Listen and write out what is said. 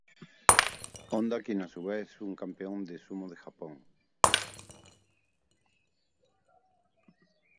Honda quien a su vez es un campeón de Sumo de Japón.